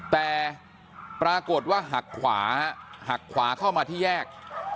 แต่ปรากฏว่าหักขวาหักขวาเข้ามาที่แยก